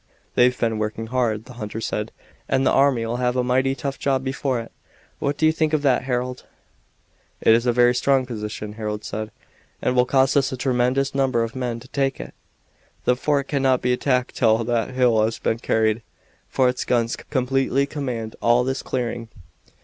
"They've been working hard," the hunter said, "and the army'll have a mighty tough job before it. What do you think of that, Harold?" "It is a very strong position," Harold said, "and will cost us a tremendous number of men to take it. The fort cannot be attacked till that hill has been carried, for its guns completely command all this clearing."